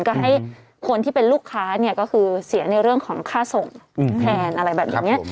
ก็ให้คนที่เป็นลูกค้าเนี่ยก็คือเสียในเรื่องของค่าส่งแทนอะไรแบบนี้